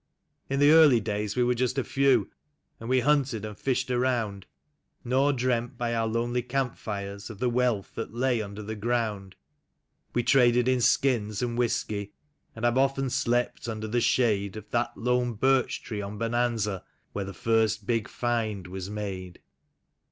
" In the early days we were just a few, and we hunted and fished around, Nor dreamt by our lonely camp fires of the wealth that lay under the gi^ound. We traded in skins and whiskey, and I've often slept under the shade Of that lone birch tree on Bonanza, where the first big find was made.